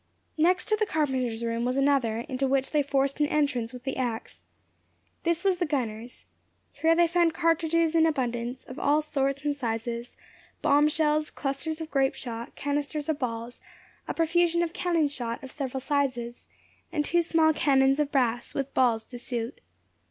Next to the carpenter's room was another, into which they forced an entrance with the ax. This was the gunner's. Here they found cartridges in abundance, of all sorts and sizes, bomb shells, clusters of grape shot, canisters of balls, a profusion of cannon shot of several sizes, and two small cannons of brass, with balls to suit.